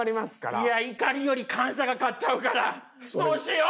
いや怒りより感謝が勝っちゃうからどうしよう？